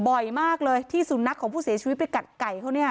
บ่อยมากเลยที่สุนัขของผู้เสียชีวิตไปกัดไก่เขาเนี่ย